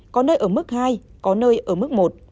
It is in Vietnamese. có nơi ở mức hai có nơi ở mức một